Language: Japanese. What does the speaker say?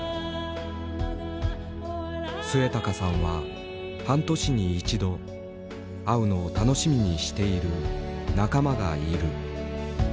末高さんは半年に一度会うのを楽しみにしている仲間がいる。